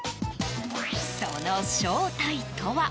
その正体とは。